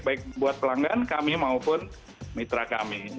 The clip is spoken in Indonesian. baik buat pelanggan kami maupun mitra kami